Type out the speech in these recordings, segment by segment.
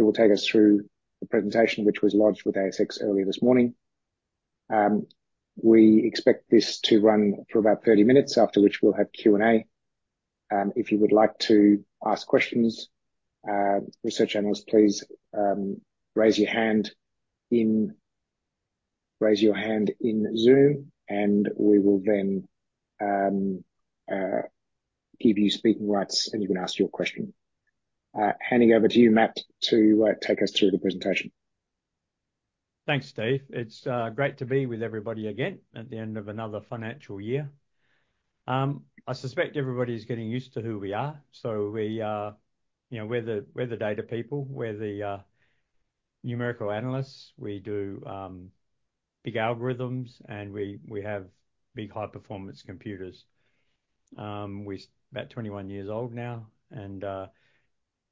He will take us through the presentation, which was lodged with ASX earlier this morning. We expect this to run for about thirty minutes, after which we'll have Q&A. If you would like to ask questions, research analysts, please raise your hand in Zoom, and we will then give you speaking rights, and you can ask your question. Handing over to you, Matt, to take us through the presentation. Thanks, Steve. It's great to be with everybody again at the end of another financial year. I suspect everybody's getting used to who we are, so we are, you know, we're the data people. We're the numerical analysts. We do big algorithms, and we have big, high-performance computers. We're about twenty-one years old now, and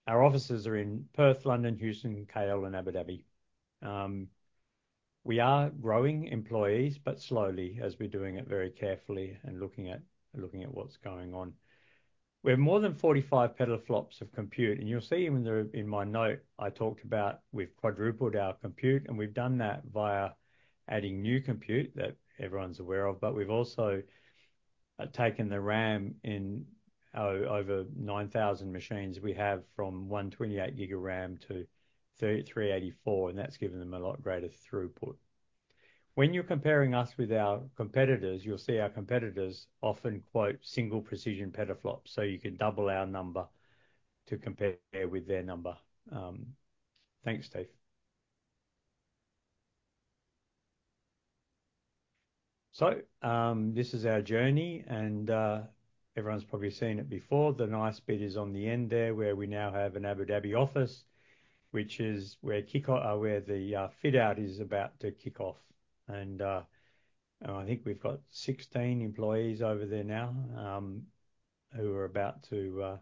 our offices are in Perth, London, Houston, KL, and Abu Dhabi. We are growing employees, but slowly, as we're doing it very carefully and looking at what's going on. We have more than forty-five petaflops of compute, and you'll see in my note, I talked about we've quadrupled our compute, and we've done that via adding new compute that everyone's aware of. But we've also taken the RAM in over 9,000 machines we have from 128 GB RAM to three eighty-four, and that's given them a lot greater throughput. When you're comparing us with our competitors, you'll see our competitors often quote single precision petaflops, so you can double our number to compare with their number. Thanks, Steve. So, this is our journey, and everyone's probably seen it before. The nice bit is on the end there, where we now have an Abu Dhabi office, which is where the fit out is about to kick off. And, I think we've got 16 employees over there now, who are about to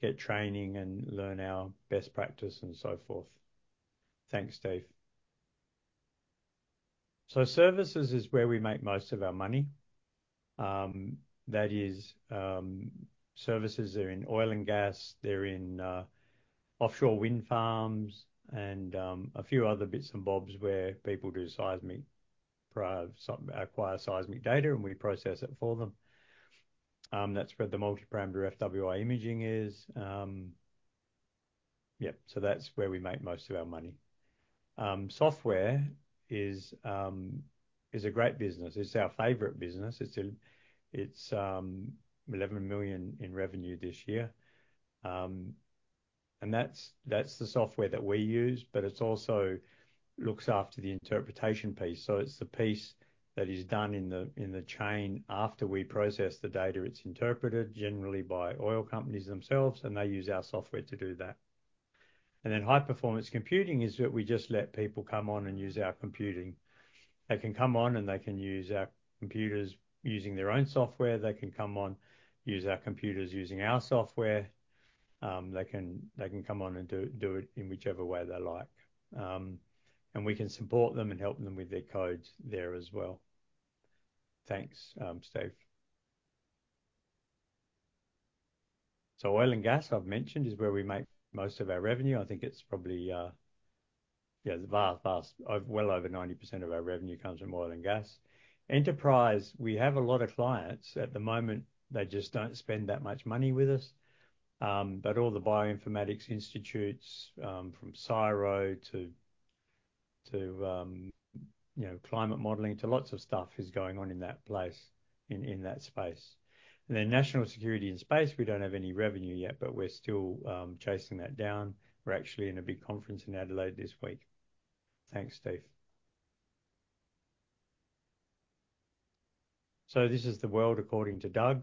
get training and learn our best practice and so forth. Thanks, Steve. So services is where we make most of our money. That is, services are in oil and gas. They're in offshore wind farms and a few other bits and bobs where people do seismic processing, acquire seismic data, and we process it for them. That's where the multiparameter FWI imaging is. Yep, so that's where we make most of our money. Software is a great business. It's our favorite business. It's 11 million in revenue this year, and that's the software that we use, but it's also looks after the interpretation piece, so it's the piece that is done in the chain after we process the data. It's interpreted generally by oil companies themselves, and they use our software to do that, and then high-performance computing is that we just let people come on and use our computing. They can come on, and they can use our computers using their own software. They can come on, use our computers using our software. They can come on and do it in whichever way they like. And we can support them and help them with their codes there as well. Thanks, Steve. Oil and gas, I've mentioned, is where we make most of our revenue. I think it's probably well over 90% of our revenue comes from oil and gas. Enterprise, we have a lot of clients. At the moment, they just don't spend that much money with us. But all the bioinformatics institutes from CSIRO to you know climate modeling to lots of stuff is going on in that space. National security and space, we don't have any revenue yet, but we're still chasing that down. We're actually in a big conference in Adelaide this week. Thanks, Steve. This is the world according to DUG.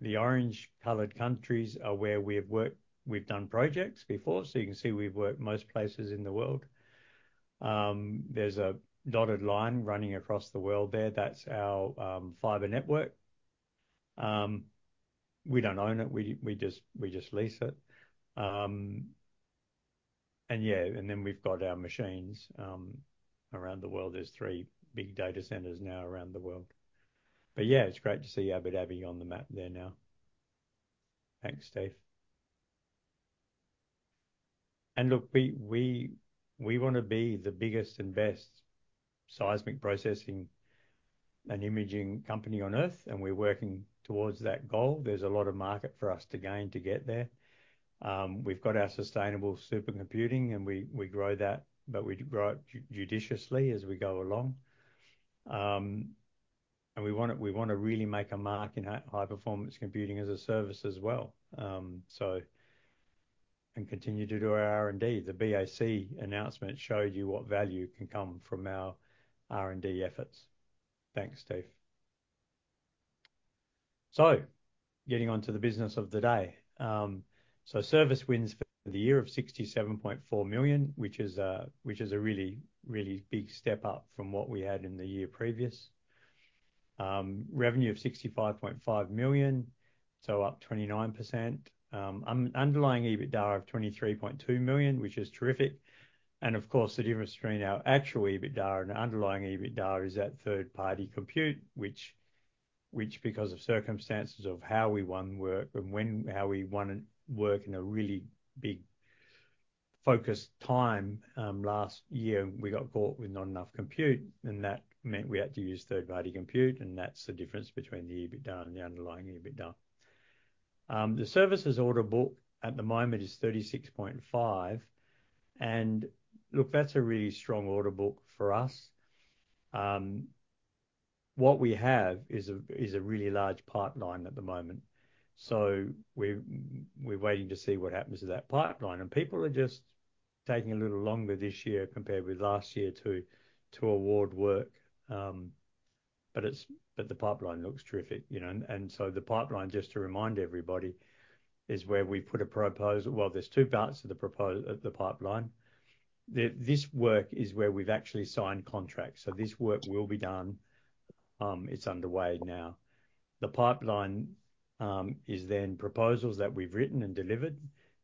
The orange-colored countries are where we've worked. We've done projects before. You can see we've worked most places in the world. There's a dotted line running across the world there. That's our fiber network. We don't own it. We just lease it. Yeah, we've got our machines around the world. There are three big data centers now around the world. Yeah, it's great to see Abu Dhabi on the map there now. Thanks, Steve. Look, we wanna be the biggest and best seismic processing and imaging company on Earth, and we're working towards that goal. There's a lot of market for us to gain to get there. We've got our sustainable supercomputing, and we grow that, but we grow it judiciously as we go along. And we wanna really make a mark in high-performance computing as a service as well, so. And continue to do our R&D. The BAC announcement showed you what value can come from our R&D efforts. Thanks, Steve. So, getting on to the business of the day. So service wins for the year of 67.4 million, which is a really, really big step up from what we had in the year previous. Revenue of 65.5 million, so up 29%. Underlying EBITDA of 23.2 million, which is terrific. And of course, the difference between our actual EBITDA and underlying EBITDA is that third-party compute, which because of circumstances of how we won work and when in a really big focused time last year, we got caught with not enough compute, and that meant we had to use third-party compute, and that's the difference between the EBITDA and the underlying EBITDA. The services order book at the moment is 36.5, and look, that's a really strong order book for us. What we have is a really large pipeline at the moment, so we're waiting to see what happens to that pipeline. And people are just taking a little longer this year compared with last year to award work. But the pipeline looks terrific, you know. The pipeline, just to remind everybody, is where we put a proposal. Well, there's two parts to the pipeline. This work is where we've actually signed contracts, so this work will be done. It's underway now. The pipeline is then proposals that we've written and delivered,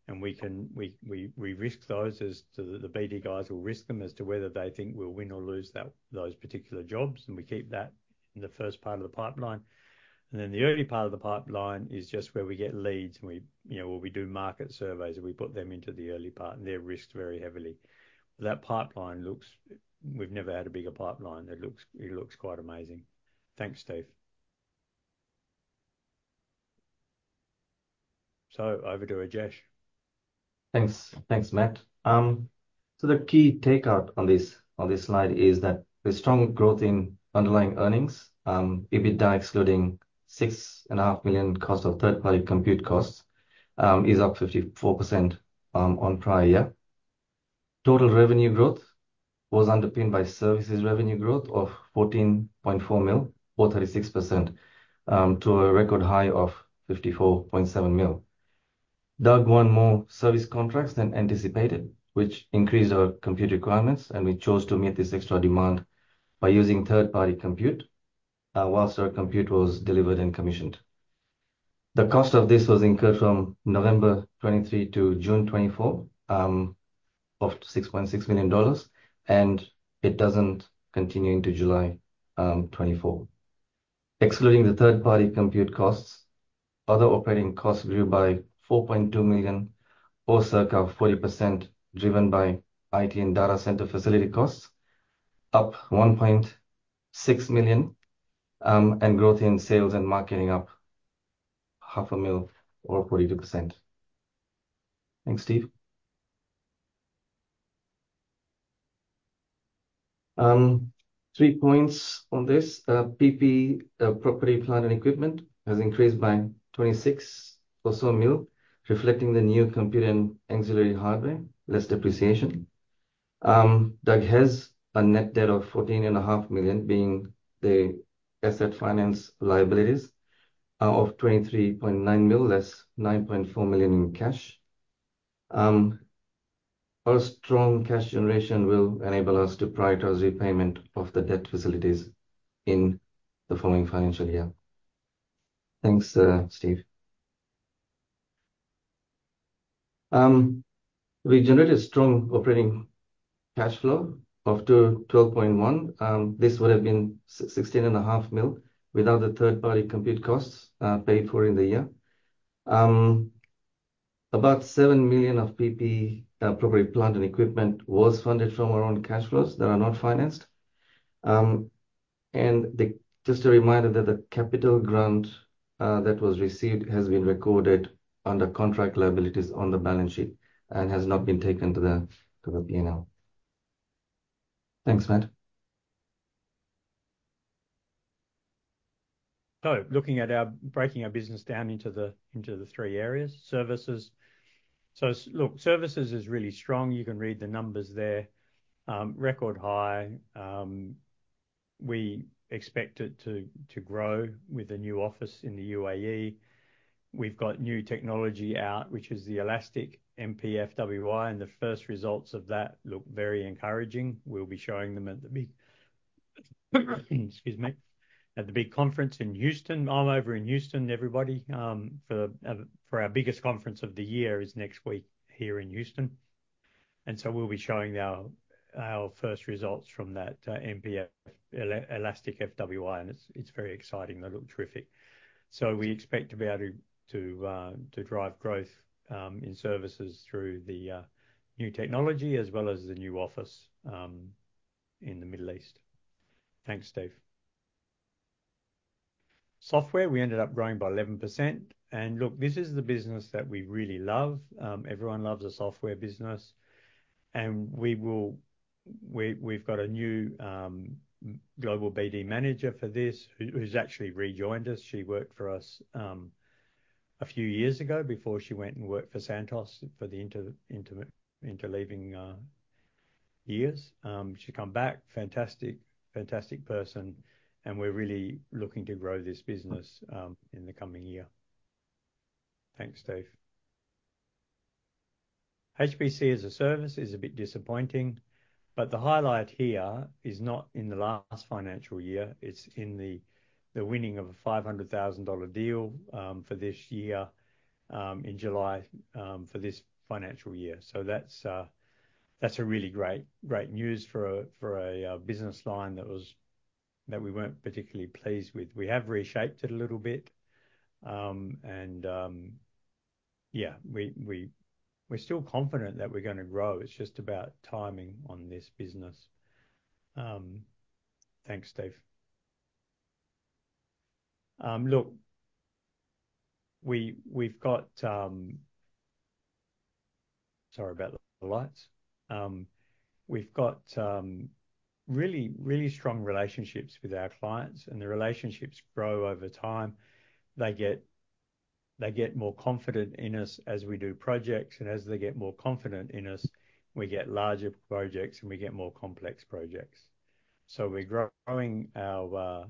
and we risk those as to the BD guys will risk them as to whether they think we'll win or lose those particular jobs, and we keep that in the first part of the pipeline, and then the early part of the pipeline is just where we get leads, and we, you know, where we do market surveys, and we put them into the early part, and they're risked very heavily. That pipeline looks... We've never had a bigger pipeline. It looks quite amazing. Thanks, Steve. So over to Ajith. Thanks. Thanks, Matt. So the key takeaway on this, on this slide is that the strong growth in underlying earnings, EBITDA, excluding $6.5 million cost of third-party compute costs, is up 54% on prior year. Total revenue growth was underpinned by services revenue growth of $14.4 million or 36% to a record high of $54.7 million. DUG won more service contracts than anticipated, which increased our compute requirements, and we chose to meet this extra demand by using third-party compute while our compute was delivered and commissioned. The cost of this was incurred from November 2023 to June 2024 of $6.6 million, and it doesn't continue into July 2024. Excluding the third-party compute costs, other operating costs grew by 4.2 million or circa 40%, driven by IT and data center facility costs, up 1.6 million, and growth in sales and marketing up 500,000 or 42%. Thanks, Steve. Three points on this. The PPE, property, plant, and equipment, has increased by 26 million or so, reflecting the new computer and ancillary hardware, less depreciation. DUG has a net debt of 14.5 million, being the asset finance liabilities of 23.9 million, less 9.4 million in cash. Our strong cash generation will enable us to prioritize repayment of the debt facilities in the following financial year. Thanks, Steve. We generated strong operating cash flow of 12.1 million. This would have been 16.5 million without the third-party compute costs paid for in the year. About 7 million of PP&E, property, plant, and equipment, was funded from our own cash flows that are not financed. Just a reminder that the capital grant that was received has been recorded under contract liabilities on the balance sheet and has not been taken to the P&L. Thanks, Matt. So looking at our, breaking our business down into the three areas. Services. So look, services is really strong. You can read the numbers there. Record high. We expect it to grow with the new office in the UAE. We've got new technology out, which is the Elastic MPFWI, and the first results of that look very encouraging. We'll be showing them at the big, excuse me, at the big conference in Houston. I'm over in Houston, everybody, for our biggest conference of the year is next week here in Houston. And so we'll be showing our first results from that, MPFWI, Elastic FWI, and it's very exciting. They look terrific. So we expect to be able to to drive growth in services through the new technology as well as the new office in the Middle East. Thanks, Steve. Software, we ended up growing by 11%. And look, this is the business that we really love. Everyone loves a software business, and we will. We've got a new global BD manager for this, who's actually rejoined us. She worked for us a few years ago before she went and worked for Santos, for the intervening years. She come back. Fantastic, fantastic person, and we're really looking to grow this business in the coming year. Thanks, Steve. HPC as a service is a bit disappointing, but the highlight here is not in the last financial year; it's in the winning of a $500,000 deal for this year for this financial year. So that's. That's a really great news for a business line that we weren't particularly pleased with. We have reshaped it a little bit and yeah, we're still confident that we're gonna grow. It's just about timing on this business. Thanks, Steve. Look, we've got. Sorry about the lights. We've got really strong relationships with our clients, and the relationships grow over time. They get more confident in us as we do projects, and as they get more confident in us, we get larger projects, and we get more complex projects. So we're growing our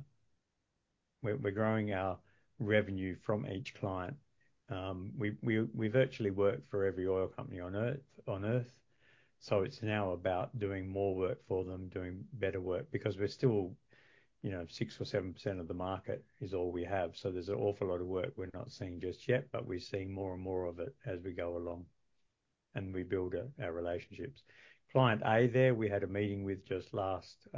revenue from each client. We virtually work for every oil company on Earth, so it's now about doing more work for them, doing better work, because we're still, you know, 6% or 7% of the market is all we have. So there's an awful lot of work we're not seeing just yet, but we're seeing more and more of it as we go along, and we build our relationships. Client A there, we had a meeting with just last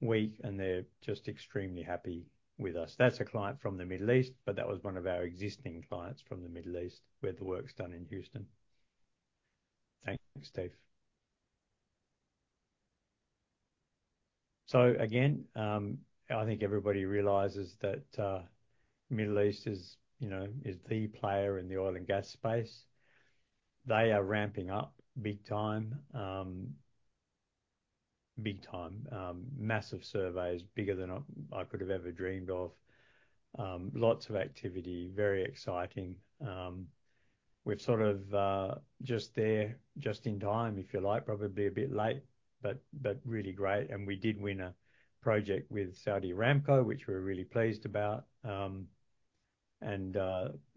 week, and they're just extremely happy with us. That's a client from the Middle East, but that was one of our existing clients from the Middle East, where the work's done in Houston. Thanks, Steve. So again, I think everybody realizes that, Middle East is, you know, is the player in the oil and gas space. They are ramping up big time, big time. Massive surveys, bigger than I could have ever dreamed of. Lots of activity. Very exciting. We're sort of, just there, just in time, if you like. Probably a bit late, but really great, and we did win a project with Saudi Aramco, which we're really pleased about. And,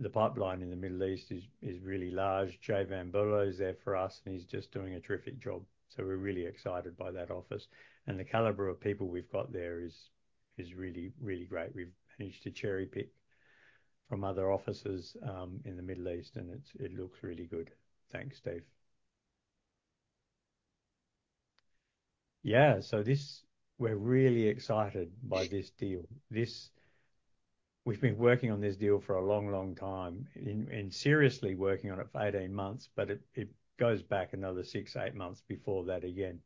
the pipeline in the Middle East is really large. Jay Van Bulow is there for us, and he's just doing a terrific job. We're really excited by that office, and the caliber of people we've got there is really, really great. We've managed to cherry-pick from other offices in the Middle East, and it looks really good. Thanks, Steve. Yeah, so this, we're really excited by this deal. We've been working on this deal for a long, long time and seriously working on it for eighteen months, but it goes back another six, eight months before that again.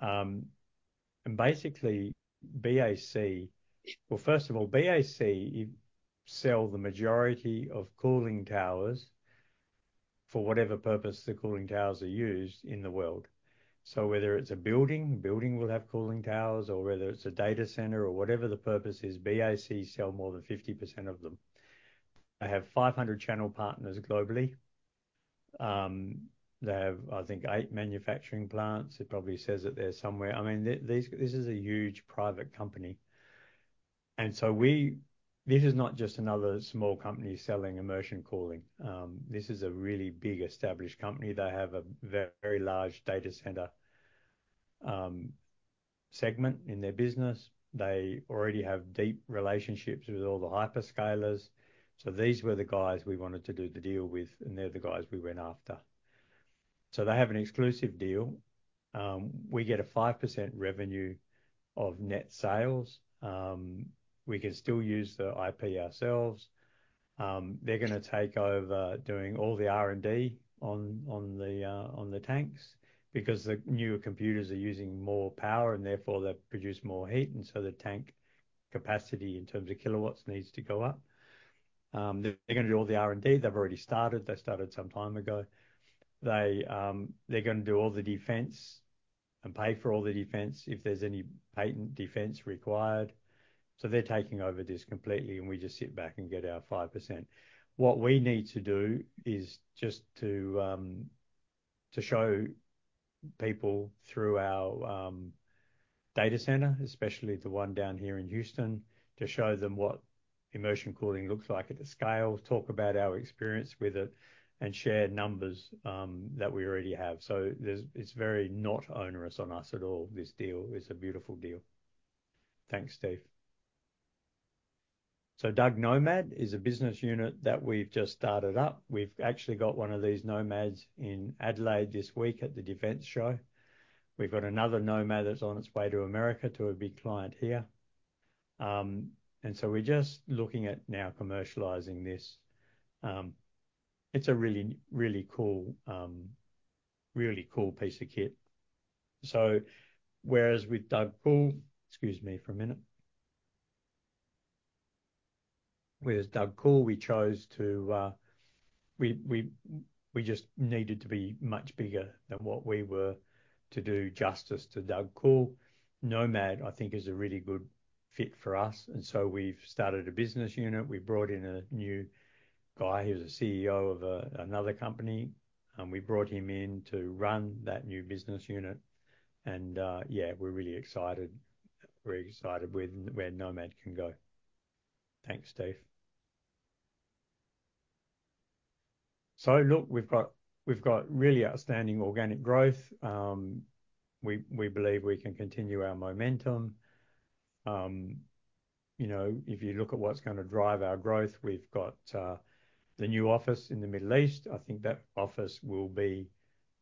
And basically, BAC. Well, first of all, BAC sell the majority of cooling towers for whatever purpose the cooling towers are used in the world. So whether it's a building will have cooling towers, or whether it's a data center or whatever the purpose is, BAC sell more than 50% of them. They have 500 channel partners globally. They have, I think, eight manufacturing plants. It probably says it there somewhere. I mean, these, this is a huge private company, and so we... This is not just another small company selling immersion cooling. This is a really big, established company. They have a very large data center segment in their business. They already have deep relationships with all the hyperscalers. So these were the guys we wanted to do the deal with, and they're the guys we went after. So they have an exclusive deal. We get a 5% revenue of net sales. We can still use the IP ourselves. They're gonna take over doing all the R&D on the tanks, because the newer computers are using more power, and therefore they produce more heat, and so the tank capacity in terms of kilowatts needs to go up. They're gonna do all the R&D. They've already started. They started some time ago. They're gonna do all the defense and pay for all the defense, if there's any patent defense required. So they're taking over this completely, and we just sit back and get our 5%. What we need to do is just to show people through our data center, especially the one down here in Houston, to show them what immersion cooling looks like at the scale, talk about our experience with it, and share numbers that we already have. It's very not onerous on us at all, this deal. It's a beautiful deal. Thanks, Steve. DUG Nomad is a business unit that we've just started up. We've actually got one of these Nomads in Adelaide this week at the defense show. We've got another Nomad that's on its way to America, to a big client here. And so we're just looking at now commercializing this. It's a really, really cool, really cool piece of kit. Whereas with DUG Cool... Excuse me for a minute. With DUG Cool, we chose to. We just needed to be much bigger than what we were to do justice to DUG Cool. Nomad, I think, is a really good fit for us, and so we've started a business unit. We brought in a new guy. He was a CEO of another company, and we brought him in to run that new business unit, and yeah, we're really excited. We're excited with where Nomad can go. Thanks, Steve. So look, we've got really outstanding organic growth. We believe we can continue our momentum. You know, if you look at what's gonna drive our growth, we've got the new office in the Middle East. I think that office will be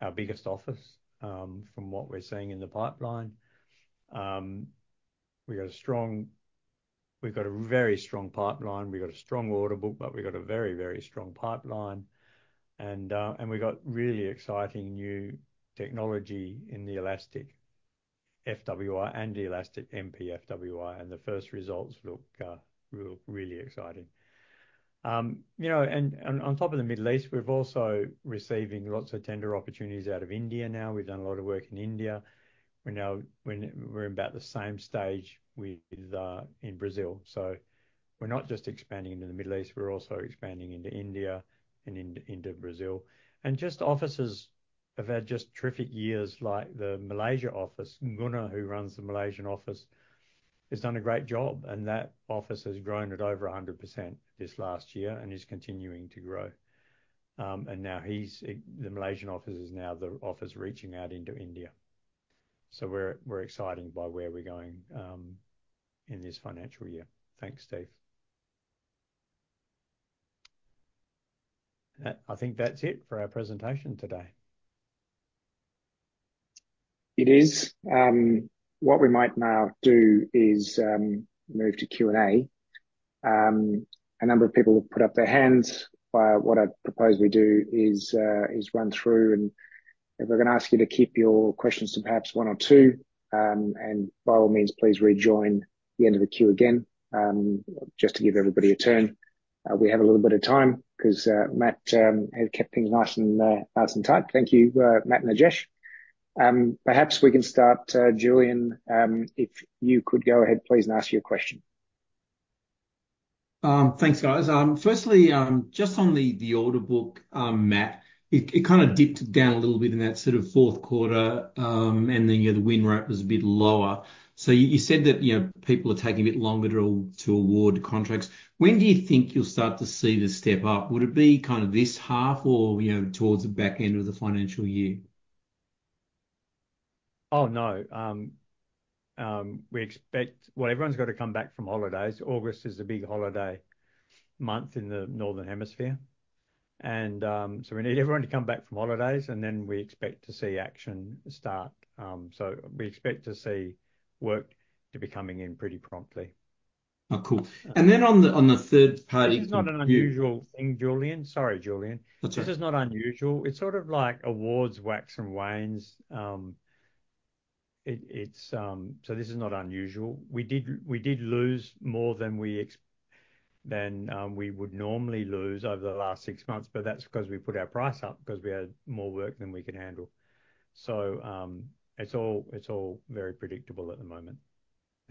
our biggest office from what we're seeing in the pipeline. We've got a strong order book, but we've got a very, very strong pipeline. And we've got really exciting new technology in the Elastic FWI and the Elastic MPFWI, and the first results look really exciting. You know, and on top of the Middle East, we're also receiving lots of tender opportunities out of India now. We've done a lot of work in India. We're about the same stage in Brazil. So we're not just expanding into the Middle East, we're also expanding into India and into Brazil. And our offices have had just terrific years, like the Malaysia office. Guna, who runs the Malaysian office, has done a great job, and that office has grown at over 100% this last year and is continuing to grow. And now the Malaysian office is the office reaching out into India. So we're excited by where we're going in this financial year. Thanks, Steve. I think that's it for our presentation today. It is. What we might now do is move to Q&A. A number of people have put up their hands. But what I propose we do is run through, and if we're gonna ask you to keep your questions to perhaps one or two, and by all means, please rejoin the end of the queue again, just to give everybody a turn. We have a little bit of time 'cause Matt has kept things nice and tight. Thank you, Matt and Ajith. Perhaps we can start, Julian, if you could go ahead, please, and ask your question. Thanks, guys. Firstly, just on the order book, Matt, it kind of dipped down a little bit in that sort of fourth quarter, and then, you know, the win rate was a bit lower. So you said that, you know, people are taking a bit longer to award contracts. When do you think you'll start to see this step up? Would it be kind of this half or, you know, towards the back end of the financial year? We expect. Well, everyone's got to come back from holidays. August is a big holiday month in the northern hemisphere. And so we need everyone to come back from holidays, and then we expect to see action start, so we expect to see work to be coming in pretty promptly. Oh, cool. And then on the third party- This is not an unusual thing, Julian. Sorry, Julian. That's all right. This is not unusual. It's sort of like odds wax and wane, so this is not unusual. We did lose more than we would normally lose over the last six months, but that's 'cause we put our price up, 'cause we had more work than we could handle, so it's all very predictable at the moment.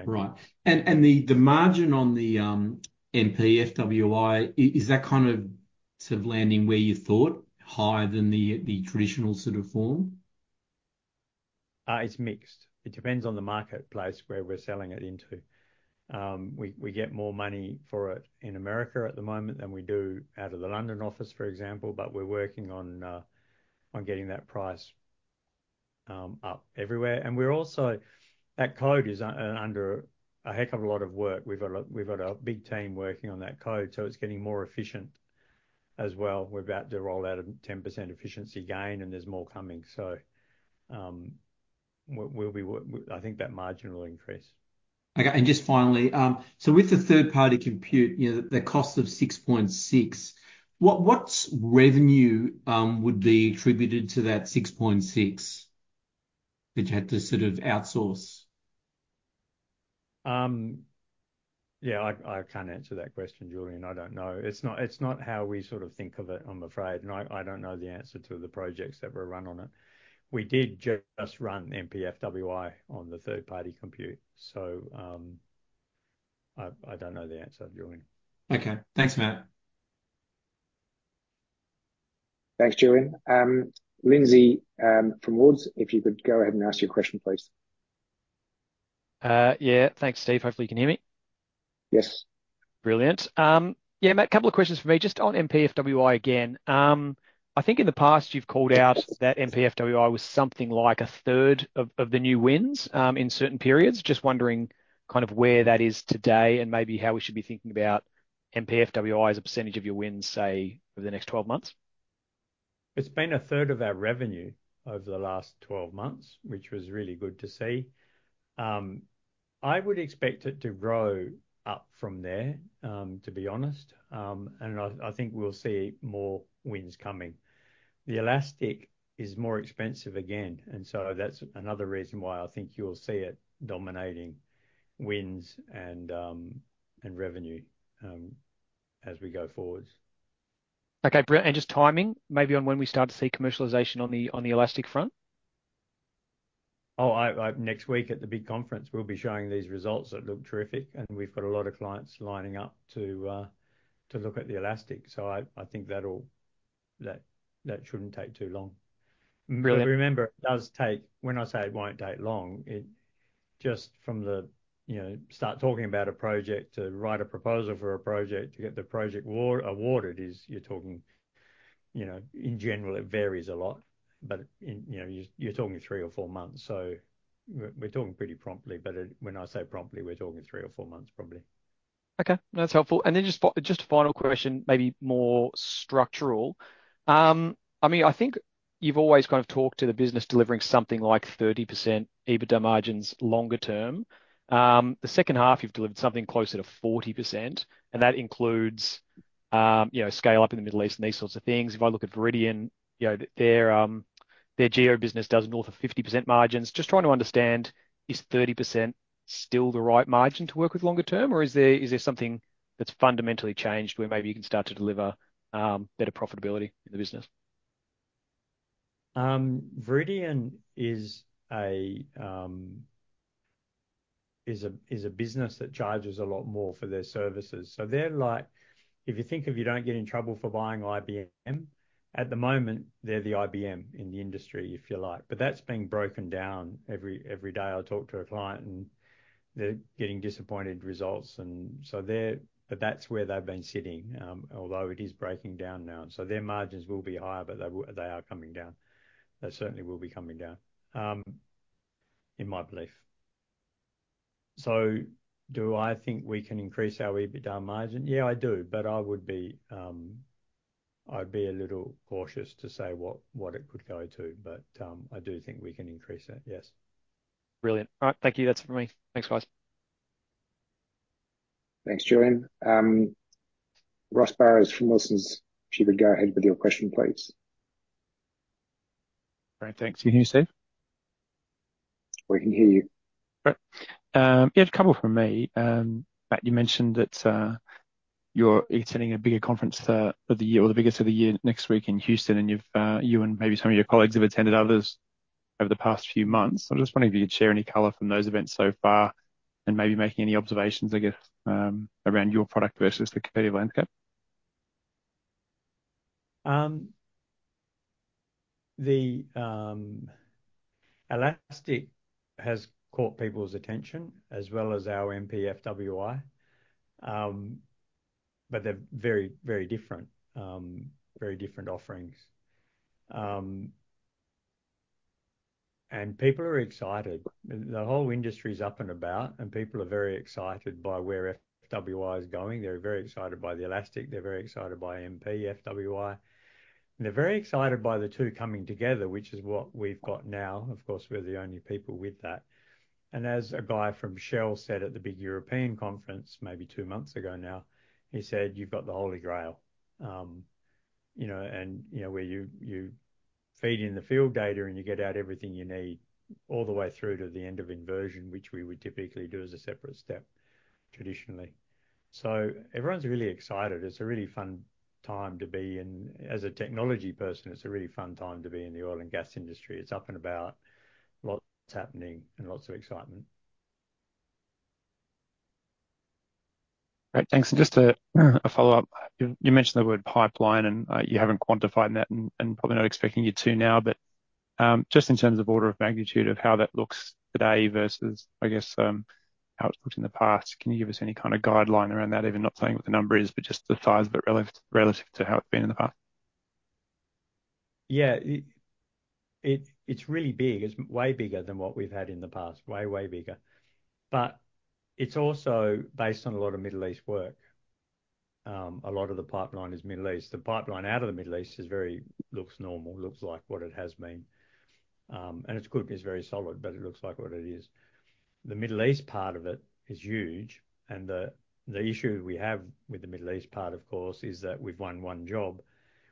Right. And the margin on the MPFWI is that kind of sort of landing where you thought, higher than the traditional sort of form? It's mixed. It depends on the marketplace where we're selling it into. We get more money for it in America at the moment than we do out of the London office, for example, but we're working on getting that price up everywhere. And we're also, that code is under a heck of a lot of work. We've got a big team working on that code, so it's getting more efficient as well. We're about to roll out a 10% efficiency gain, and there's more coming. We'll be working. I think that margin will increase. Okay, and just finally, so with the third-party compute, you know, the cost of six point six, what, what's revenue would be attributed to that six point six, that you had to sort of outsource? Yeah, I can't answer that question, Julian. I don't know. It's not how we sort of think of it, I'm afraid, and I don't know the answer to the projects that were run on it. We did just run MPFWI on the third-party compute, so, I don't know the answer, Julian. Okay. Thanks, Matt. Thanks, Julian. Lindsay, from Woods, if you could go ahead and ask your question, please. Yeah. Thanks, Steve. Hopefully, you can hear me. Yes. Brilliant. Yeah, Matt, a couple of questions from me, just on MPFWI again. I think in the past you've called out that MPFWI was something like a third of the new wins in certain periods. Just wondering kind of where that is today and maybe how we should be thinking about MPFWI as a percentage of your wins, say, over the next twelve months. It's been a third of our revenue over the last twelve months, which was really good to see. I would expect it to grow up from there, to be honest, and I think we'll see more wins coming. The Elastic is more expensive again, and so that's another reason why I think you'll see it dominating wins and revenue, as we go forward. Okay, and just timing, maybe on when we start to see commercialization on the elastic front? Oh, I... Next week at the big conference, we'll be showing these results that look terrific, and we've got a lot of clients lining up to look at the elastic. So, I think that'll. That shouldn't take too long. Brilliant. Remember, it does take. When I say it won't take long, it's just from the, you know, start talking about a project, to write a proposal for a project, to get the project awarded, you know, in general, it varies a lot, but, you know, you're talking three or four months, so we're talking pretty promptly. But, it, when I say promptly, we're talking three or four months, probably. Okay, that's helpful. And then just a final question, maybe more structural. I mean, I think you've always kind of talked to the business delivering something like 30% EBITDA margins longer term. The second half, you've delivered something closer to 40%, and that includes, you know, scale up in the Middle East and these sorts of things. If I look at Viridien, you know, their, their geo business does north of 50% margins. Just trying to understand, is 30% still the right margin to work with longer term, or is there, is there something that's fundamentally changed where maybe you can start to deliver, better profitability in the business? Viridien is a business that charges a lot more for their services. So they're like, if you think of you don't get in trouble for buying IBM, at the moment, they're the IBM in the industry, if you like, but that's being broken down. Every day I talk to a client, and they're getting disappointed results, and so they're-- but that's where they've been sitting, although it is breaking down now. So their margins will be higher, but they are coming down. They certainly will be coming down, in my belief. So do I think we can increase our EBITDA margin? Yeah, I do, but I would be, I'd be a little cautious to say what it could go to, but, I do think we can increase that, yes. Brilliant. All right, thank you. That's it for me. Thanks, guys. Thanks, Julian. Ross Barrows from Wilsons, if you would go ahead with your question, please. Great, thanks. Can you hear me, Steve? We can hear you. Great. Yeah, a couple from me. Matt, you mentioned that you're attending a bigger conference of the year or the biggest of the year next week in Houston, and you and maybe some of your colleagues have attended others over the past few months. I'm just wondering if you could share any color from those events so far, and maybe making any observations, I guess, around your product versus the competitive landscape. The Elastic has caught people's attention, as well as our MPFWI, but they're very, very different, very different offerings. And people are excited. The whole industry is up and about, and people are very excited by where FWI is going. They're very excited by the Elastic. They're very excited by MPFWI, and they're very excited by the two coming together, which is what we've got now. Of course, we're the only people with that. And as a guy from Shell said at the big European conference, maybe two months ago now, he said, "You've got the Holy Grail." You know, and you know where you feed in the field data, and you get out everything you need all the way through to the end of inversion, which we would typically do as a separate step, traditionally. So everyone's really excited. It's a really fun time to be in... As a technology person, it's a really fun time to be in the oil and gas industry. It's up and about, lots happening and lots of excitement. Great, thanks. And just a follow-up. You mentioned the word pipeline, and you haven't quantified that and probably not expecting you to now, but just in terms of order of magnitude of how that looks today versus, I guess, how it's looked in the past, can you give us any kind of guideline around that? Even not saying what the number is, but just the size of it relative to how it's been in the past. Yeah. It's really big. It's way bigger than what we've had in the past. Way, way bigger. But it's also based on a lot of Middle East work. A lot of the pipeline is Middle East. The pipeline out of the Middle East is very, looks normal, looks like what it has been. And it's good, it's very solid, but it looks like what it is. The Middle East part of it is huge, and the issue we have with the Middle East part, of course, is that we've won one job.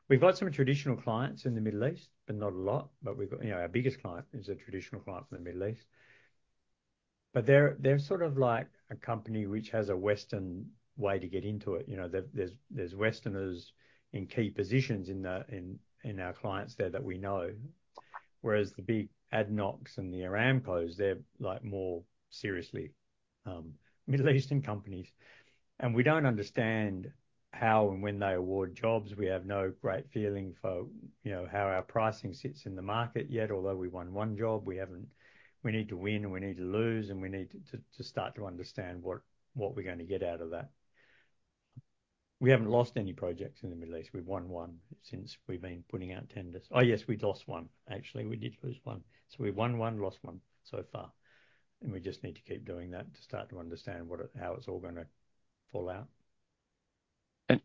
We've got some traditional clients in the Middle East, but not a lot, but we've got... You know, our biggest client is a traditional client in the Middle East. But they're sort of like a company which has a Western way to get into it. You know, there, there's Westerners in key positions in our clients there that we know. Whereas the big ADNOCs and the Aramcos, they're like more seriously Middle Eastern companies, and we don't understand how and when they award jobs. We have no great feeling for, you know, how our pricing sits in the market yet. Although we won one job, we haven't—we need to win, and we need to lose, and we need to start to understand what we're gonna get out of that. We haven't lost any projects in the Middle East. We've won one since we've been putting out tenders. Oh, yes, we lost one. Actually, we did lose one. So we won one, lost one so far, and we just need to keep doing that to start to understand what it—how it's all gonna fall out.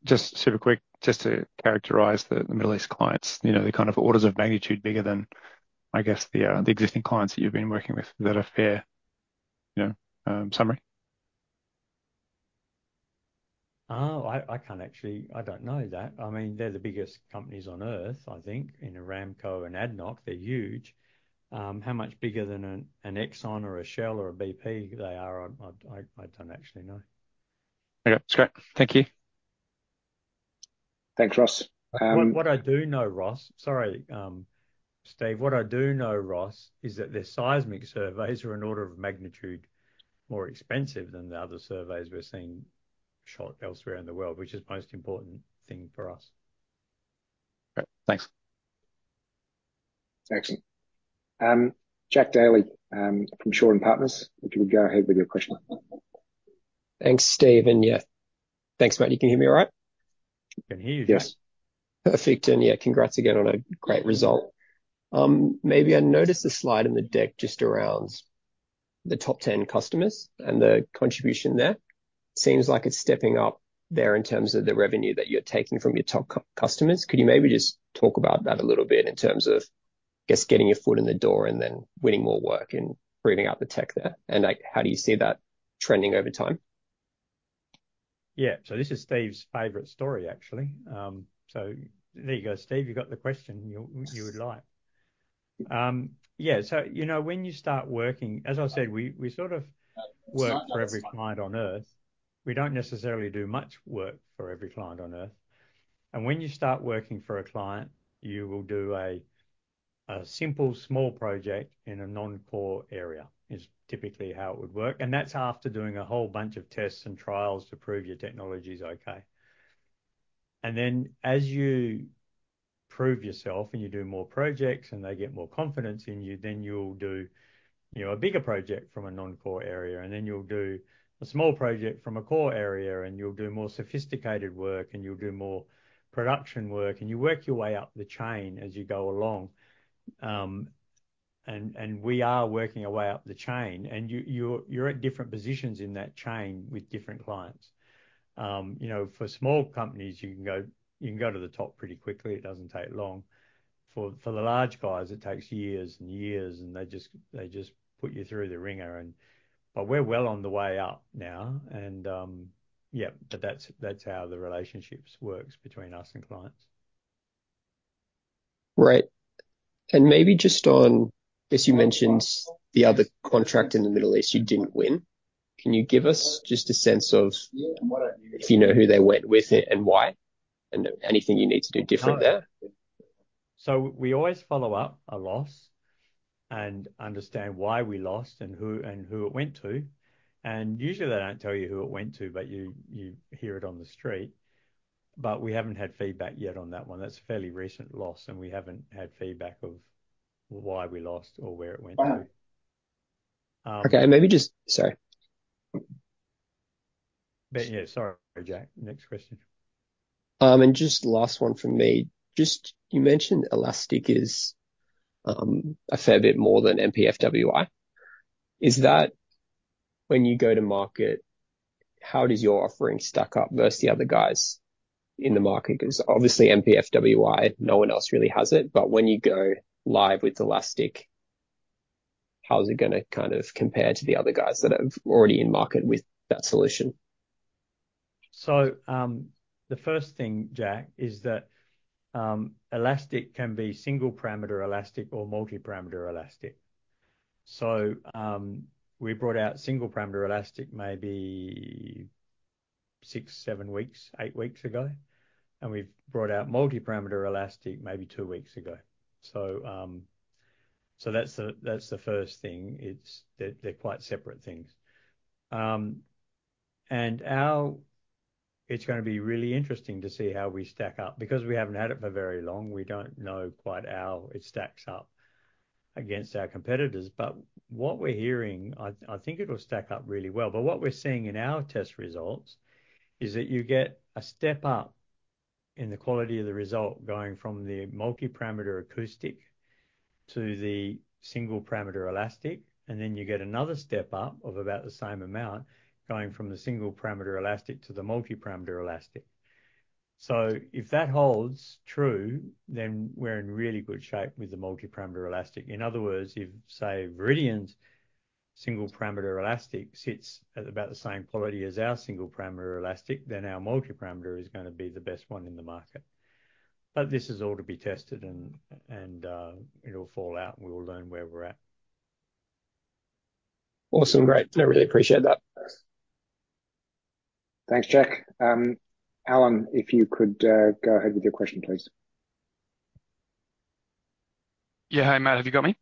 Just super quick, just to characterize the Middle East clients, you know, they're kind of orders of magnitude bigger than, I guess, the existing clients that you've been working with. Is that a fair, you know, summary? Oh, I can't actually... I don't know that. I mean, they're the biggest companies on Earth, I think. In Aramco and ADNOC, they're huge. How much bigger than an Exxon or a Shell or a BP they are, I don't actually know. Okay, that's great. Thank you. Thanks, Ross. What I do know, Ross. Sorry, Steve. What I do know, Ross, is that their seismic surveys are an order of magnitude more expensive than the other surveys we're seeing shot elsewhere in the world, which is the most important thing for us. Great. Thanks.... Excellent. Jack Daley, from Shaw and Partners, if you would go ahead with your question. Thanks, Steve, and yeah. Thanks, mate. You can hear me all right? Can hear you, yes. Perfect, and yeah, congrats again on a great result. Maybe I noticed a slide in the deck just around the top ten customers and the contribution there. Seems like it's stepping up there in terms of the revenue that you're taking from your top customers. Could you maybe just talk about that a little bit in terms of, I guess, getting your foot in the door and then winning more work and bringing out the tech there? And, like, how do you see that trending over time? Yeah, so this is Steve's favorite story, actually. So there you go, Steve, you've got the question you would like. Yeah, so, you know, when you start working... As I said, we sort of work for every client on Earth. We don't necessarily do much work for every client on Earth, and when you start working for a client, you will do a simple, small project in a non-core area, is typically how it would work, and that's after doing a whole bunch of tests and trials to prove your technology's okay. And then, as you prove yourself and you do more projects and they get more confidence in you, then you'll do, you know, a bigger project from a non-core area, and then you'll do a small project from a core area, and you'll do more sophisticated work, and you'll do more production work, and you work your way up the chain as you go along. And we are working our way up the chain, and you're at different positions in that chain with different clients. You know, for small companies, you can go to the top pretty quickly. It doesn't take long. For the large guys, it takes years and years, and they just put you through the wringer, and... But we're well on the way up now, and, yeah, but that's how the relationships works between us and clients. Right. And maybe just on, I guess you mentioned the other contract in the Middle East you didn't win. Can you give us just a sense of, do you know who they went with it and why, and anything you need to do different there? So we always follow up a loss and understand why we lost and who it went to, and usually, they don't tell you who it went to, but you hear it on the street. But we haven't had feedback yet on that one. That's a fairly recent loss, and we haven't had feedback of why we lost or where it went to. Okay, maybe just... Sorry. But yeah. Sorry, Jack. Next question. And just last one from me. Just you mentioned Elastic is a fair bit more than MPFWI. Is that when you go to market, how does your offering stack up versus the other guys in the market? 'Cause obviously, MPFWI, no one else really has it, but when you go live with Elastic, how is it gonna kind of compare to the other guys that are already in market with that solution? So, the first thing, Jack, is that Elastic can be single-parameter elastic or multi-parameter elastic. We brought out single-parameter elastic maybe six, seven weeks, eight weeks ago, and we've brought out multi-parameter elastic maybe two weeks ago. So, that's the first thing. It's, they're quite separate things. And how... It's gonna be really interesting to see how we stack up. Because we haven't had it for very long, we don't know quite how it stacks up against our competitors, but what we're hearing, I think it'll stack up really well. But what we're seeing in our test results is that you get a step up in the quality of the result going from the multi-parameter acoustic to the single parameter elastic, and then you get another step up of about the same amount going from the single parameter elastic to the multi-parameter elastic. So if that holds true, then we're in really good shape with the multi-parameter elastic. In other words, if, say, Viridien's single parameter elastic sits at about the same quality as our single parameter elastic, then our multi-parameter is gonna be the best one in the market. But this is all to be tested and it'll fall out, and we'll learn where we're at. Awesome. Great. I really appreciate that. Thanks, Jack. Alan, if you could, go ahead with your question, please. Yeah. Hi, Matt, have you got me?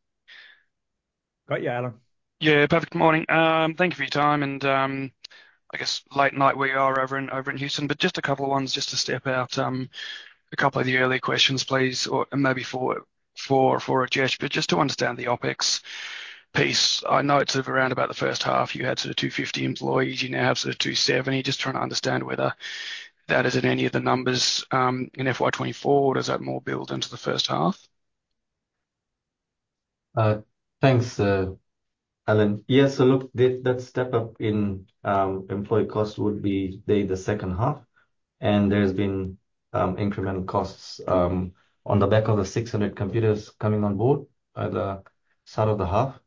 Got you, Alan. Yeah, perfect. Good morning. Thank you for your time, and I guess late night where you are over in Houston, but just a couple of ones just to step out a couple of the earlier questions, please, or and maybe for Ajith, but just to understand the OpEx piece. I know it's around about the first half, you had sort of 250 employees, you now have sort of 270. Just trying to understand whether that is in any of the numbers in FY 2024, or does that more build into the first half? Thanks, Alan. Yeah, so look, that step up in employee costs would be the second half, and there's been incremental costs on the back of the 600 computers coming on board at the start of the half,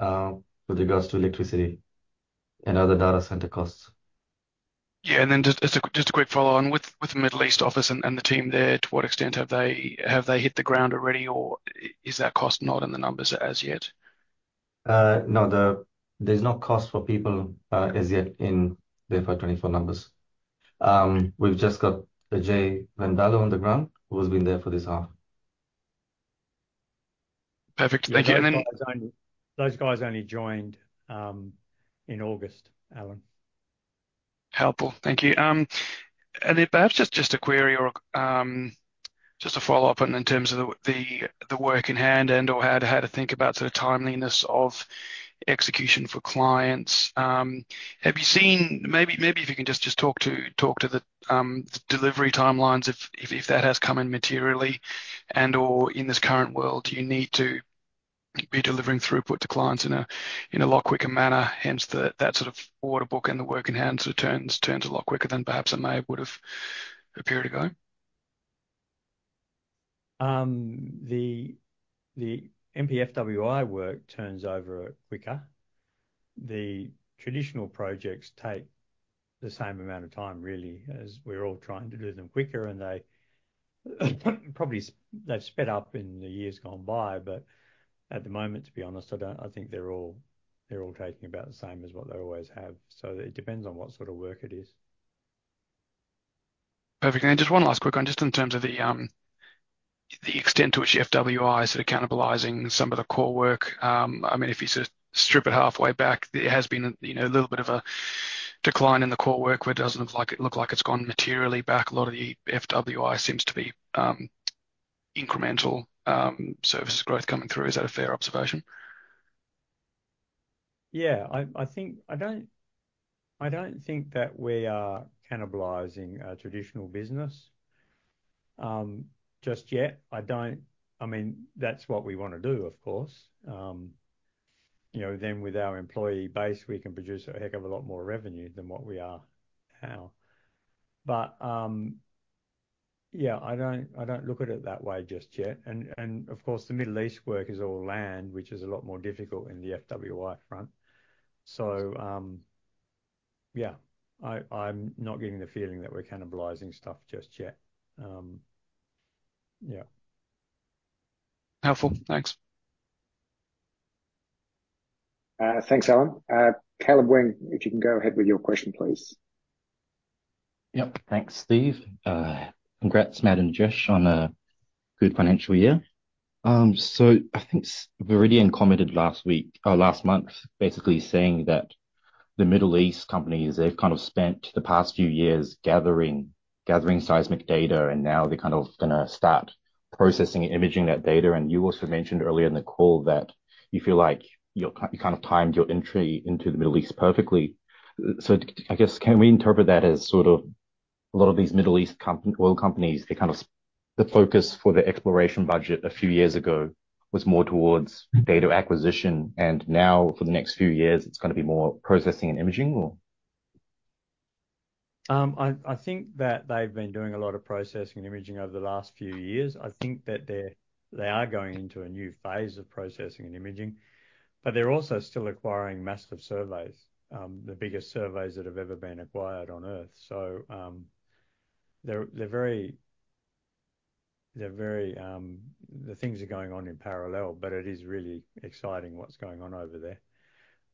with regards to electricity and other data center costs. Yeah, and then just a quick follow on: with the Middle East office and the team there, to what extent have they hit the ground already, or is that cost not in the numbers as yet? No, there's no cost for people as yet in the FY 2024 numbers. We've just got Ajay Rendalo on the ground, who's been there for this half. Perfect, thank you, and then- Those guys only joined in August, Alan.... helpful. Thank you. And perhaps just a query or just a follow-up on in terms of the work in hand and or how to think about sort of timeliness of execution for clients. Have you seen, maybe if you can just talk to the delivery timelines, if that has come in materially and or in this current world, do you need to be delivering throughput to clients in a lot quicker manner, hence that sort of order book and the work in hand sort of turns a lot quicker than perhaps it may would have a period ago? The MPFWI work turns over quicker. The traditional projects take the same amount of time, really, as we're all trying to do them quicker, and they, probably they've sped up in the years gone by, but at the moment, to be honest, I don't. I think they're all, they're all taking about the same as what they always have. So it depends on what sort of work it is. Perfect. And just one last quick one, just in terms of the extent to which FWI is sort of cannibalizing some of the core work. I mean, if you sort of strip it halfway back, there has been, you know, a little bit of a decline in the core work, but it doesn't look like it's gone materially back. A lot of the FWI seems to be incremental service growth coming through. Is that a fair observation? Yeah, I don't think that we are cannibalizing our traditional business just yet. I mean, that's what we want to do, of course. You know, then with our employee base, we can produce a heck of a lot more revenue than what we are now. But yeah, I don't look at it that way just yet. And of course, the Middle East work is all land, which is a lot more difficult in the FWI front. So yeah, I'm not getting the feeling that we're cannibalizing stuff just yet. Yeah. Helpful. Thanks. Thanks, Alan. Caleb Wang, if you can go ahead with your question, please. Yep. Thanks, Steve. Congrats, Matt and Josh, on a good financial year. So I think Viridien commented last week or last month, basically saying that the Middle East companies, they've kind of spent the past few years gathering seismic data, and now they're kind of gonna start processing and imaging that data. And you also mentioned earlier in the call that you feel like you kind of timed your entry into the Middle East perfectly. So I guess, can we interpret that as sort of a lot of these Middle East oil companies, they kind of, the focus for the exploration budget a few years ago was more towards data acquisition, and now for the next few years, it's gonna be more processing and imaging, or? I think that they've been doing a lot of processing and imaging over the last few years. I think that they are going into a new phase of processing and imaging, but they're also still acquiring massive surveys, the biggest surveys that have ever been acquired on Earth, so they're very, the things are going on in parallel, but it is really exciting what's going on over there.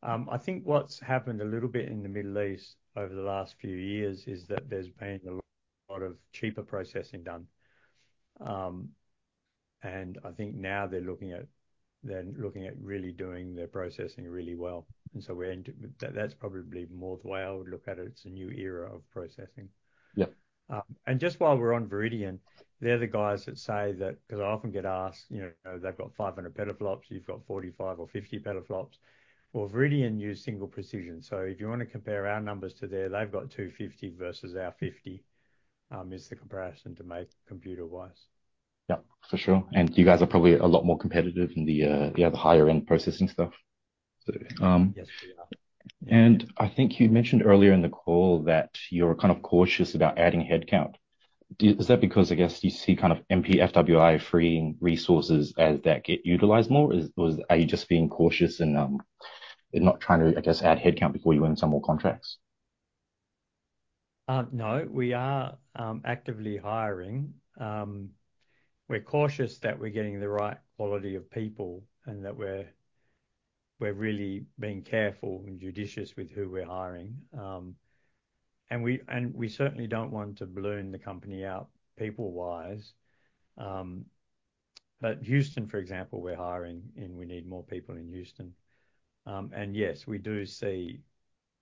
I think what's happened a little bit in the Middle East over the last few years is that there's been a lot of cheaper processing done, and I think now they're looking at really doing their processing really well, and so we're into that, that's probably more the way I would look at it. It's a new era of processing. Yeah. And just while we're on Viridien, they're the guys that say that 'cause I often get asked, you know, they've got 500 petaflops, you've got 45 or 50 petaflops. Well, Viridien use single precision, so if you want to compare our numbers to theirs, they've got 250 versus our 50 is the comparison to make computer wise. Yep, for sure. And you guys are probably a lot more competitive in the other higher end processing stuff. So, Yes, we are. I think you mentioned earlier in the call that you're kind of cautious about adding headcount. Is that because, I guess, you see kind of MPFWI freeing resources as that get utilized more? Or are you just being cautious and not trying to, I guess, add headcount before you win some more contracts? No, we are actively hiring. We're cautious that we're getting the right quality of people and that we're really being careful and judicious with who we're hiring. And we certainly don't want to balloon the company out, people-wise. But Houston, for example, we're hiring, and we need more people in Houston. And yes, we do see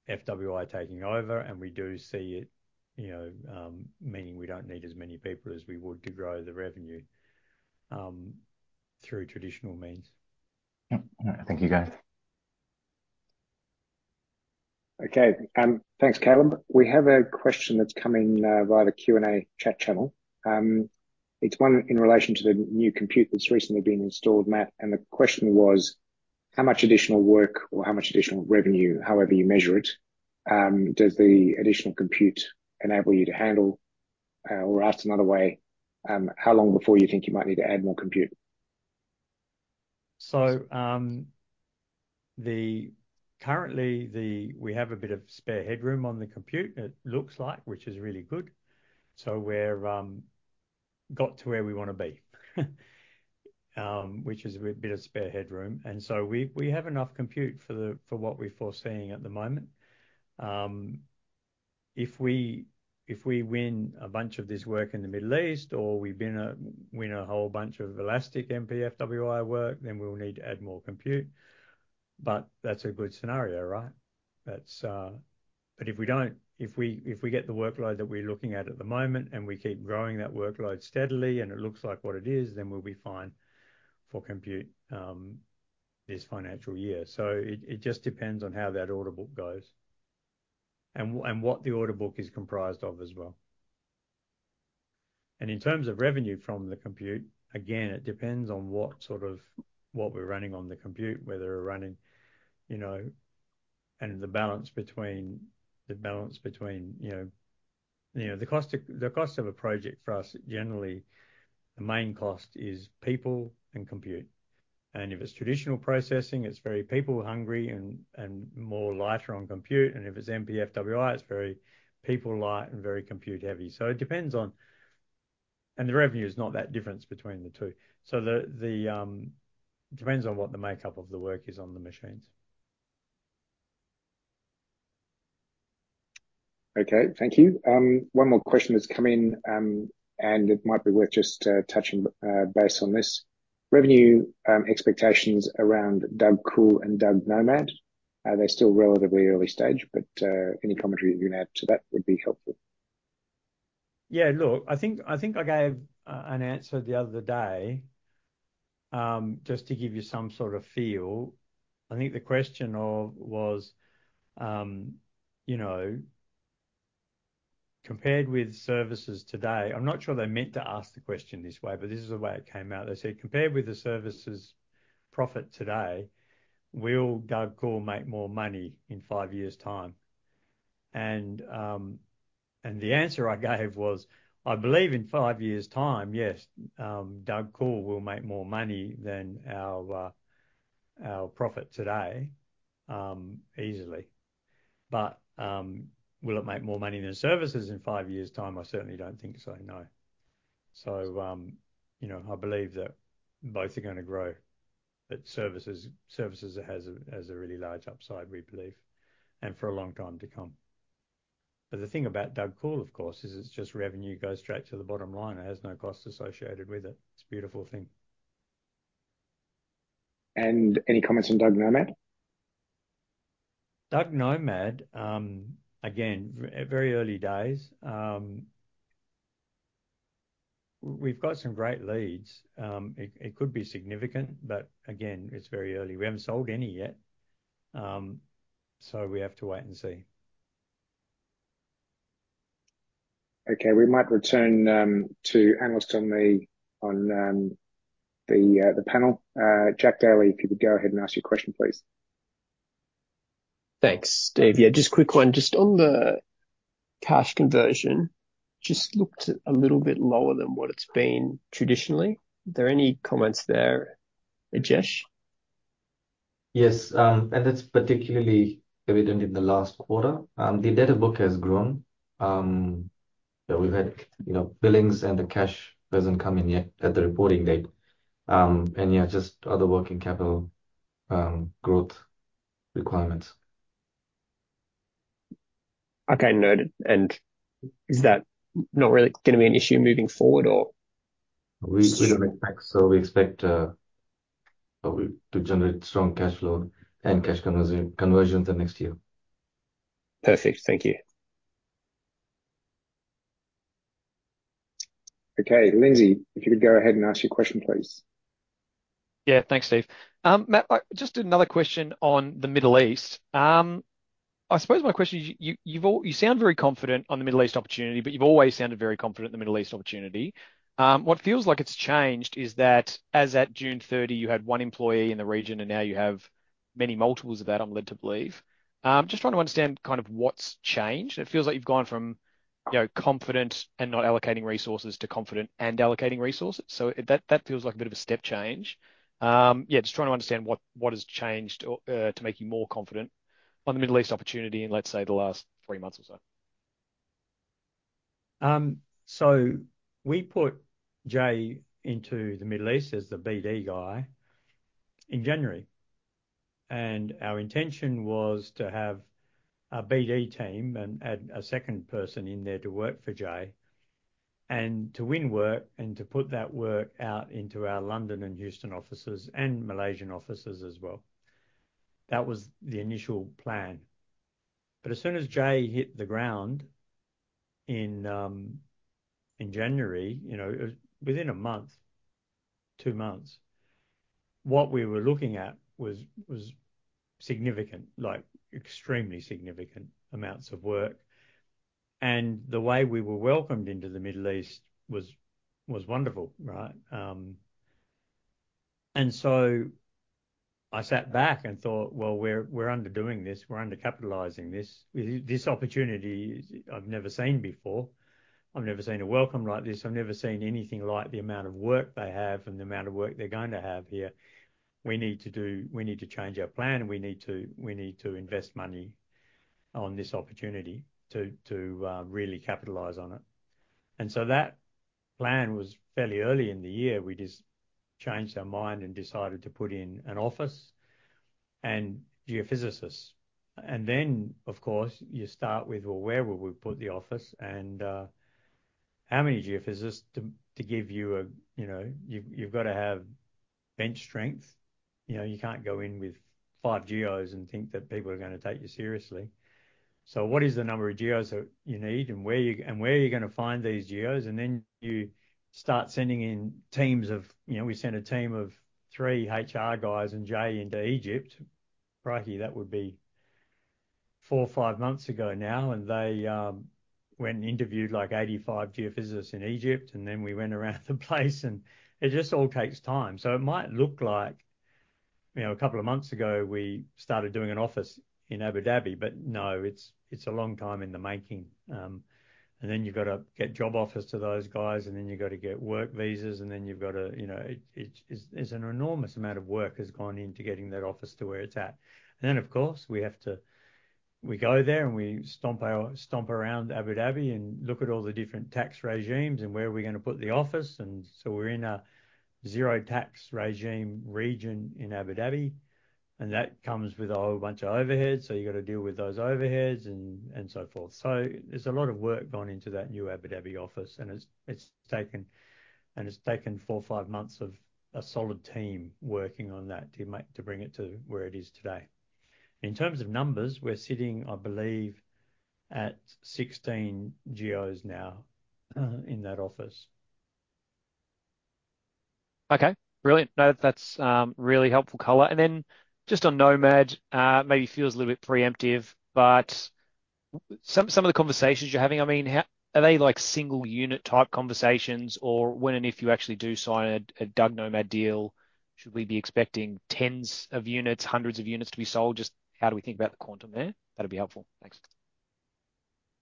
FWI taking over, and we do see it, you know, meaning we don't need as many people as we would to grow the revenue through traditional means. Yep. All right. Thank you, guys. Okay. Thanks, Caleb. We have a question that's come in via the Q&A chat channel. It's one in relation to the new compute that's recently been installed, Matt, and the question was: how much additional work or how much additional revenue, however you measure it, does the additional compute enable you to handle? Or asked another way: how long before you think you might need to add more compute? Currently, we have a bit of spare headroom on the compute. It looks like, which is really good. We've got to where we want to be, which is a bit of spare headroom. We have enough compute for what we're foreseeing at the moment. If we win a bunch of this work in the Middle East or we win a whole bunch of Elastic MPFWI work, then we'll need to add more compute. But that's a good scenario, right? If we don't get the workload that we're looking at at the moment, and we keep growing that workload steadily, and it looks like what it is, then we'll be fine for compute this financial year. So it just depends on how that order book goes, and what the order book is comprised of as well. And in terms of revenue from the compute, again, it depends on what sort of what we're running on the compute, whether we're running, you know, and the balance between, you know, the cost of a project for us generally, the main cost is people and compute. And if it's traditional processing, it's very people hungry and more lighter on compute, and if it's MPFWI, it's very people light and very compute heavy. So it depends on. And the revenue is not that difference between the two. So it depends on what the makeup of the work is on the machines. Okay, thank you. One more question that's come in, and it might be worth just touching base on this. Revenue expectations around DUG Cool and DUG Nomad. They're still relatively early stage, but any commentary you can add to that would be helpful. Yeah, look, I think I gave an answer the other day. Just to give you some sort of feel, I think the question was, you know, compared with services today... I'm not sure they meant to ask the question this way, but this is the way it came out. They said, "Compared with the services profit today, will DUG Cool make more money in five years time?" And the answer I gave was, "I believe in five years' time, yes, DUG Cool will make more money than our profit today, easily. But, will it make more money than services in five years' time? I certainly don't think so, no." So, you know, I believe that both are gonna grow, but services has a really large upside, we believe, and for a long time to come. But the thing about DUG Cool, of course, is it's just revenue goes straight to the bottom line. It has no cost associated with it. It's a beautiful thing. Any comments on DUG Nomad? DUG Nomad, again, very early days. We've got some great leads. It could be significant, but again, it's very early. We haven't sold any yet, so we have to wait and see. Okay, we might return to analysts on the panel. Jack Daley, if you would go ahead and ask your question, please. Thanks, Steve. Yeah, just a quick one. Just on the cash conversion, just looked a little bit lower than what it's been traditionally. Are there any comments there, Ajith? Yes, and that's particularly evident in the last quarter. The data book has grown. But we've had, you know, billings, and the cash doesn't come in yet at the reporting date. And yeah, just other working capital, growth requirements. Okay, noted. And is that not really gonna be an issue moving forward, or? We still expect to generate strong cash flow and cash conversion the next year. Perfect. Thank you. Okay, Lindsay, if you could go ahead and ask your question, please. Yeah, thanks, Steve. Matt, just another question on the Middle East. I suppose my question is, you sound very confident on the Middle East opportunity, but you've always sounded very confident on the Middle East opportunity. What feels like it's changed is that as at June thirty, you had one employee in the region, and now you have many multiples of that, I'm led to believe. Just trying to understand kind of what's changed. It feels like you've gone from, you know, confident and not allocating resources to confident and allocating resources. So that feels like a bit of a step change. Yeah, just trying to understand what has changed or to make you more confident on the Middle East opportunity in, let's say, the last three months or so. So we put Jay into the Middle East as the BD guy in January, and our intention was to have a BD team and add a second person in there to work for Jay, and to win work, and to put that work out into our London and Houston offices, and Malaysian offices as well. That was the initial plan. But as soon as Jay hit the ground in January, you know, within a month, two months, what we were looking at was significant, like, extremely significant amounts of work. And the way we were welcomed into the Middle East was wonderful, right? And so I sat back and thought: "Well, we're underdoing this, we're undercapitalizing this. This opportunity I've never seen before. I've never seen a welcome like this. I've never seen anything like the amount of work they have and the amount of work they're going to have here. We need to change our plan, and we need to invest money on this opportunity to really capitalize on it." So that plan was fairly early in the year. We just changed our mind and decided to put in an office and geophysicists. Then, of course, you start with well, where will we put the office? And how many geophysicists to give you a, you know, you've got to have bench strength. You know, you can't go in with five geos and think that people are gonna take you seriously. So what is the number of geos that you need, and where are you gonna find these geos? Then you start sending in teams of, you know, we sent a team of three HR guys and Jay into Egypt. Crikey, that would be four or five months ago now, and they went and interviewed, like, 85 geophysicists in Egypt, and then we went around the place, and it just all takes time. So it might look like, you know, a couple of months ago, we started doing an office in Abu Dhabi, but no, it's a long time in the making. And then you've got to get job offers to those guys, and then you've got to get work visas, and then you've got to, you know, it's an enormous amount of work has gone into getting that office to where it's at. And then, of course, we have to go there, and we stomp around Abu Dhabi and look at all the different tax regimes and where are we gonna put the office. So we're in a zero tax regime region in Abu Dhabi, and that comes with a whole bunch of overheads, so you've got to deal with those overheads and so forth. So there's a lot of work gone into that new Abu Dhabi office, and it's taken four or five months of a solid team working on that to bring it to where it is today. In terms of numbers, we're sitting, I believe, at 16 geos now in that office. Okay, brilliant. No, that's really helpful color. And then just on Nomad, maybe feels a little bit preemptive, but some of the conversations you're having, I mean, how... Are they like single unit type conversations or when and if you actually do sign a DUG Nomad deal, should we be expecting tens of units, hundreds of units to be sold? Just how do we think about the quantum there? That'd be helpful. Thanks.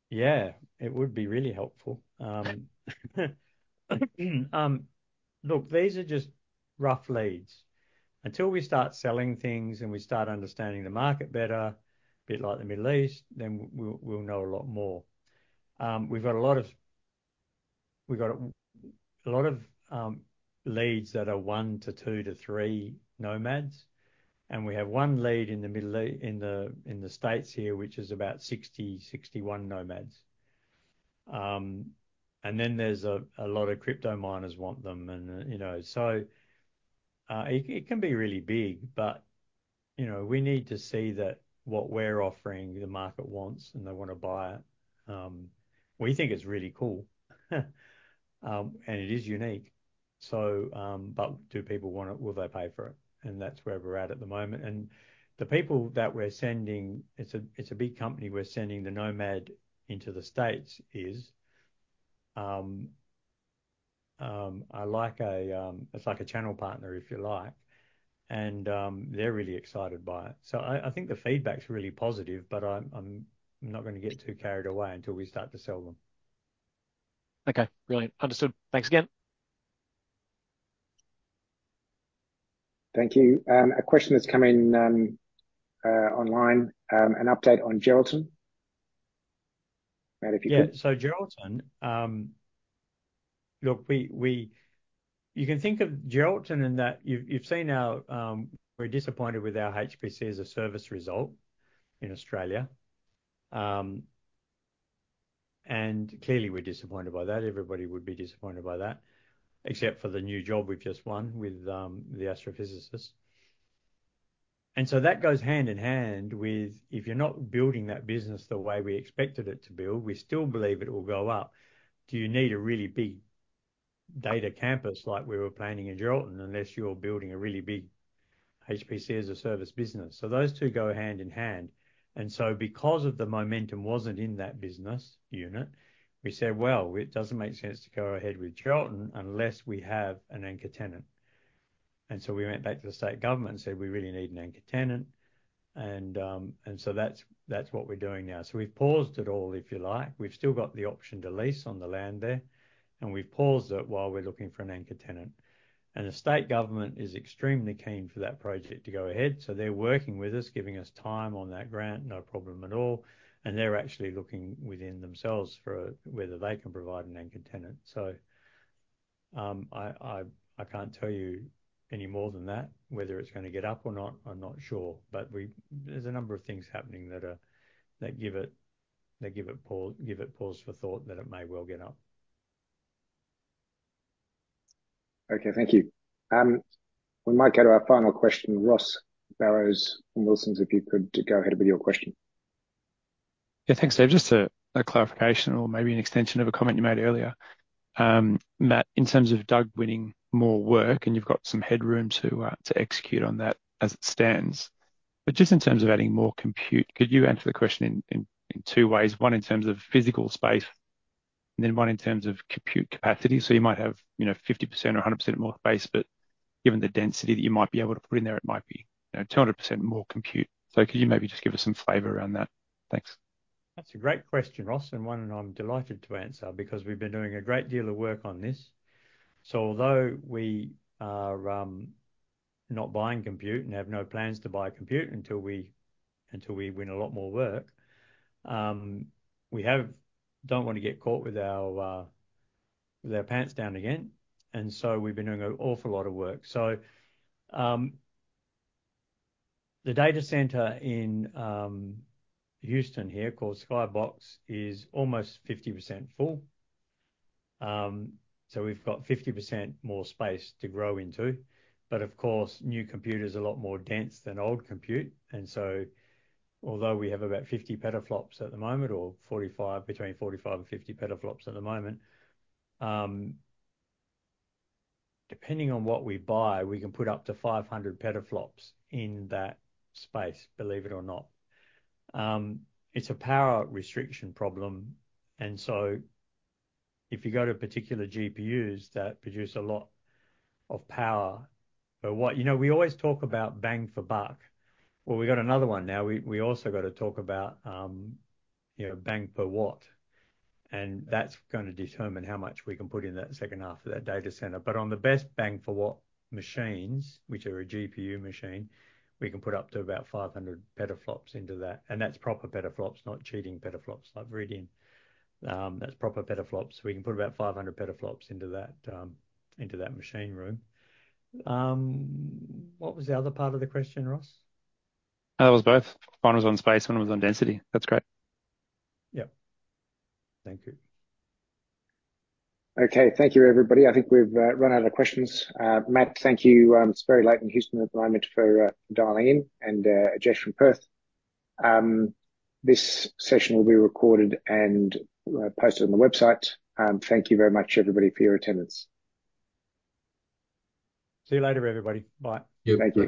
Yeah, it would be really helpful. Look, these are just rough leads. Until we start selling things and we start understanding the market better, a bit like the Middle East, then we'll know a lot more. We've got a lot of leads that are one to two to three Nomads, and we have one lead in the Middle East, in the States here, which is about sixty, sixty-one Nomads. And then there's a lot of crypto miners want them and, you know. So, it can be really big, but, you know, we need to see that what we're offering, the market wants, and they want to buy it. We think it's really cool, and it is unique. So, but do people want it? Will they pay for it? That's where we're at the moment. The people that we're sending, it's a, it's a big company we're sending the Nomad into the States is, are like a, it's like a channel partner, if you like, and, they're really excited by it. So I think the feedback's really positive, but I'm not gonna get too carried away until we start to sell them. Okay, brilliant. Understood. Thanks again. Thank you. A question that's come in, online, an update on Geraldton. Matt, if you- Yeah, so Geraldton, look, you can think of Geraldton in that you've seen how we're disappointed with our HPC as a service result in Australia. And clearly, we're disappointed by that. Everybody would be disappointed by that, except for the new job we've just won with the astrophysicists. And so that goes hand in hand with if you're not building that business the way we expected it to build, we still believe it will go up. Do you need a really big data campus like we were planning in Geraldton, unless you're building a really big HPC as a service business? So those two go hand in hand. And so because the momentum wasn't in that business unit, we said, "Well, it doesn't make sense to go ahead with Geraldton unless we have an anchor tenant." And so we went back to the state government and said, "We really need an anchor tenant." And that's what we're doing now. So we've paused it all, if you like. We've still got the option to lease on the land there, and we've paused it while we're looking for an anchor tenant. And the state government is extremely keen for that project to go ahead, so they're working with us, giving us time on that grant. No problem at all. And they're actually looking within themselves for whether they can provide an anchor tenant. So I can't tell you any more than that. Whether it's gonna get up or not, I'm not sure, but there's a number of things happening that give it pause for thought that it may well get up. Okay, thank you. We might go to our final question. Ross Barrows from Wilsons, if you could go ahead with your question. Yeah, thanks, Dave. Just a clarification or maybe an extension of a comment you made earlier. Matt, in terms of DUG winning more work, and you've got some headroom to execute on that as it stands. But just in terms of adding more compute, could you answer the question in two ways: one, in terms of physical space, and then one, in terms of compute capacity. So you might have, you know, 50% or 100% more space, but given the density that you might be able to put in there, it might be, you know, 200% more compute. So could you maybe just give us some flavor around that? Thanks. That's a great question, Ross, and one that I'm delighted to answer because we've been doing a great deal of work on this. So although we are not buying compute and have no plans to buy compute until we win a lot more work, we don't want to get caught with our pants down again, and so we've been doing an awful lot of work. So the data center in Houston here, called Skybox, is almost 50% full. So we've got 50% more space to grow into. But of course, new compute is a lot more dense than old compute, and so although we have about fifty petaflops at the moment, or forty-five, between forty-five and fifty petaflops at the moment, depending on what we buy, we can put up to five hundred petaflops in that space, believe it or not. It's a power restriction problem, and so if you go to particular GPUs that produce a lot of power. You know, we always talk about bang for buck. Well, we got another one now. We, we also got to talk about, you know, bang per watt, and that's gonna determine how much we can put in that second half of that data center. But on the best bang for watt machines, which are a GPU machine, we can put up to about 500 petaflops into that, and that's proper petaflops, not cheating petaflops like reading. That's proper petaflops. We can put about 500 petaflops into that, into that machine room. What was the other part of the question, Ross? It was both. One was on space, one was on density. That's great. Yep. Thank you. Okay. Thank you, everybody. I think we've run out of questions. Matt, thank you. It's very late in Houston at the moment for dialing in and Jess from Perth. This session will be recorded and posted on the website. Thank you very much, everybody, for your attendance. See you later, everybody. Bye. Thank you.